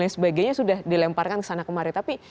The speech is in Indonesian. sebagainya sudah dilemparkan kesana kemarin tapi